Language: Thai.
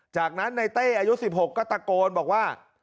จากนั้นในเต้อายุ๑๖ก็ตะโกนบอกว่า